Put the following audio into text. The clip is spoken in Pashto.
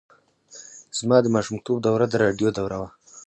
زما د ماشومتوب دوره د راډیو دوره وه.